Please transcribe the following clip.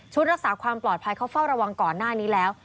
รักษาความปลอดภัยเขาเฝ้าระวังก่อนหน้านี้แล้ว